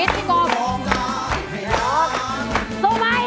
โทษให้